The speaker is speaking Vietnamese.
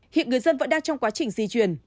hiện người dân vẫn đang trong quá trình di chuyển